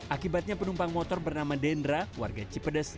akibatnya penumpang motor bernama dendra warga cipedes